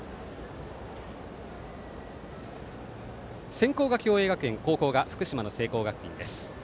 先攻が共栄学園後攻が福島の聖光学院です。